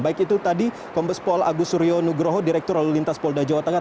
baik itu tadi kompes pol agus suryo nugroho direktur lalu lintas polda jawa tengah